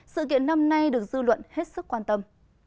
sự kiện năm nay được dư luận hết sức quan tâm